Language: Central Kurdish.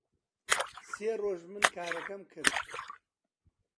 سێ ڕۆژ من کارەکەم کرد